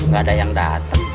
ga ada yang dateng